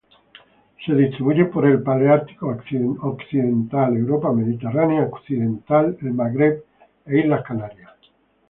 Se distribuyen por el Paleártico occidental: Europa mediterránea occidental, el Magreb e islas Canarias.